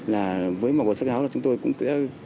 là với một cuộc xác áo là chúng tôi cũng sẽ